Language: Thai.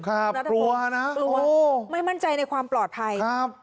กลัวนะไม่มั่นใจในความปลอดภัย